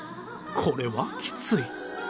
これはきつい。